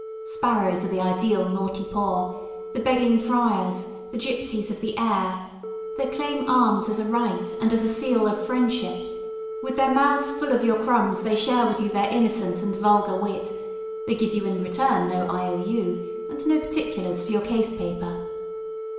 Sparrows are the ideal Naughty Poor, the begging friars, the gypsies of the air, they claim alms as a right and as a seal of friendship; with their mouths full of your crumbs they share with you their innocent and vulgar wit, they give you in return no I.O.U., and no particulars for your case paper.